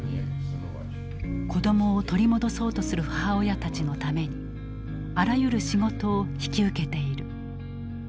子どもを取り戻そうとする母親たちのためにあらゆる仕事を引き受けている。